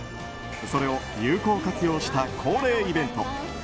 それを有効活用した恒例イベント。